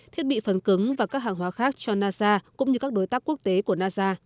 thiết bị phần cứng và các hàng hóa khác cho nasa cũng như các đối tác quốc tế của nasa